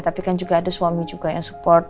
tapi kan juga ada suami juga yang support